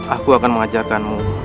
aku akan mengajarkanmu